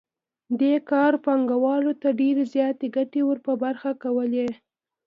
دې کار پانګوال ته ډېرې زیاتې ګټې ور په برخه کولې